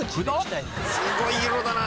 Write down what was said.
すごい色だな。